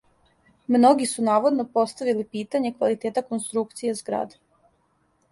Многи су наводно поставили питање квалитета конструкције зграде.